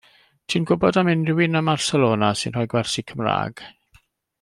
Ti'n gwybod am unrhyw un ym Marcelona sy'n rhoi gwersi Cymraeg?